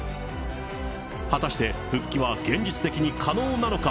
果たして復帰は現実的に可能なのか。